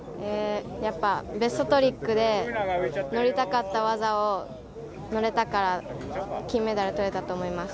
やっぱ、ベストトリックで、乗りたかった技を乗れたから、金メダルとれたと思います。